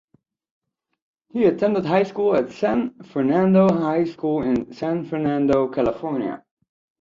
He attended high school at San Fernando High School in San Fernando, California.